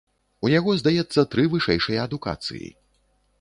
У яго, здаецца, тры вышэйшыя адукацыі.